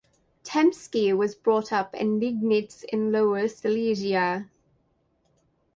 Tempsky was brought up in Liegnitz in Lower Silesia.